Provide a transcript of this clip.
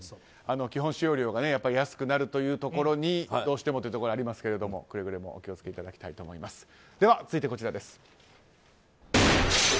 基本使用料が安くなるというところにどうしてもというところはありますがくれぐれもお気を付けいただきたいと思います。